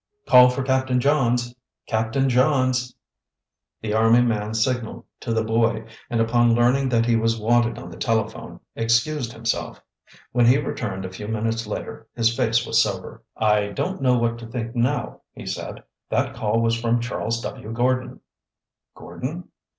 "Call for Captain Johns! Captain Johns!" The army man signaled to the boy, and upon learning that he was wanted on the telephone, excused himself. When he returned a few minutes later his face was sober. "I don't know what to think now," he said. "That call was from Charles W. Gordon." "Gordon?"